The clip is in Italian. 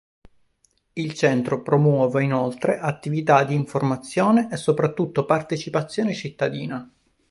Il centro promuove inoltre attività di informazione e soprattutto partecipazione cittadina.